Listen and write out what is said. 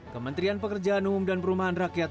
kementerian pekerjaan umum dan perumahan rakyat